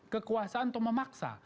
kekuasaan untuk memaksa